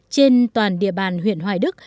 trên toàn địa bàn huyện hoài đức